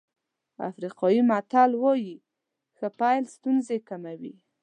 افریقایي متل وایي ښه پيل ستونزې کموي.